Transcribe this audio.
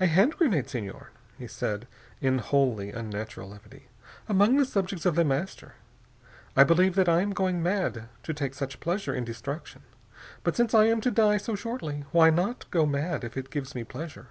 "A hand grenade, Senor," he said in wholly unnatural levity. "Among the subjects of The Master. I believe that I am going mad, to take such pleasure in destruction. But since I am to die so shortly, why not go mad, if it gives me pleasure?"